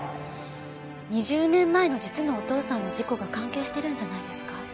２０年前の実のお父さんの事故が関係してるんじゃないですか？